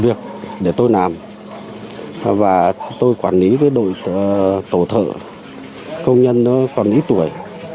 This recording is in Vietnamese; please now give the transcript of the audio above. việc để tôi làm và tôi quản lý với đội tổ thợ công nhân nó còn ít tuổi